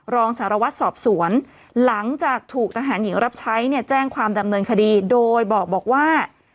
รองสารวัตรสอบสวนหลังจากถูกทหารหญิงรับใช้เนี่ยแจ้งความดำเนินคดีโดยบอกว่า